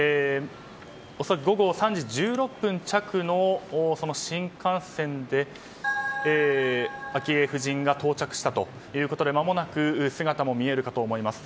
恐らく午後３時１６分着の新幹線で昭恵夫人が到着したということで間もなく姿も見えるかと思います。